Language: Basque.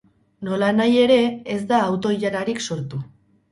Nolanahi ere, ez da auto-ilararik sortu.